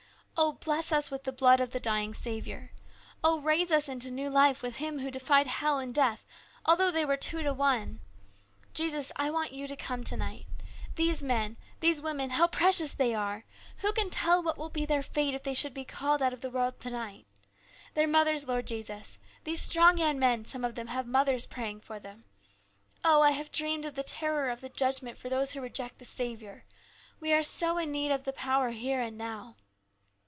Oh, bless us with the blood of the dying Saviour ! Oh, raise us into new life with Him who defied hell and death, although they were two to one ! Jesus, I 90 A CHANGE. 91 want You to come to night. These men, these women, how precious they are ! Who can tell what will be their fate if they should be called out of the world to night? Their mothers, Lord Jesus these strong young men, some of them, have mothers praying for them. Oh, I have dreamed of the terror of the judgment for those who reject the Saviour ! We are so in need of the power here and now.